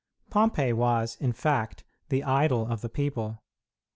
Pompey was, in fact, the idol of the people.